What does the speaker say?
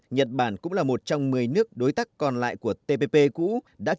azerbaijan là một đất nước có nhiều nguồn nguồn